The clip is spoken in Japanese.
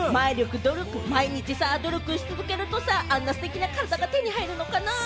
毎日努力し続けるとさ、あんなステキな体が手に入るのかな？